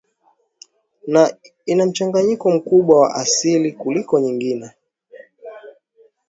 na ina mchanganyiko mkubwa wa asili kuliko nyingine